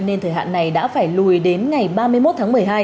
nên thời hạn này đã phải lùi đến ngày ba mươi một tháng một mươi hai